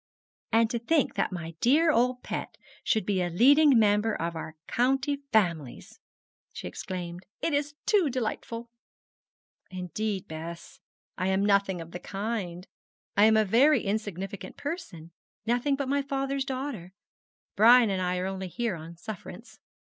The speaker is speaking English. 'And to think that my dear old pet should be a leading member of our county families!' she exclaimed; 'it is too delightful.' 'Indeed, Bess, I am nothing of the kind. I am a very insignificant person nothing but my father's daughter. Brian and I are only here on sufferance.'